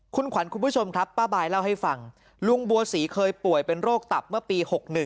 คุณขวัญคุณผู้ชมครับป้าบายเล่าให้ฟังลุงบัวศรีเคยป่วยเป็นโรคตับเมื่อปี๖๑